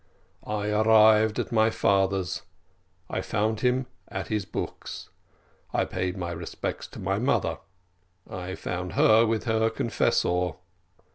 I arrived at my father's I found him at his books; I paid my respects to my mother I found her with her confessor.